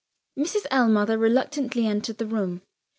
Mrs. Ellmother reluctantly entered the room.